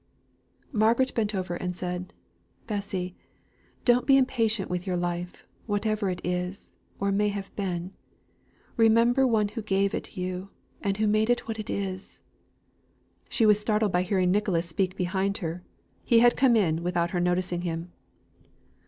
Margaret bent over and said, "Bessy don't be impatient with your life, whatever it is or may have been. Remember who gave it you, and made it what it is!" She was startled by hearing Nicholas speak behind her; he had come in without her noticing him.